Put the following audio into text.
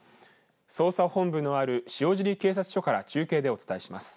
捜査本部のある塩尻警察署から中継でお伝えします。